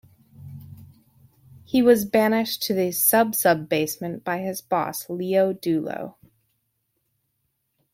He was banished to the "sub-sub-basement" by his boss, Leo Dullo.